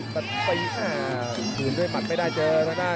กระโดยสิ้งเล็กนี่ออกกันขาสันเหมือนกันครับ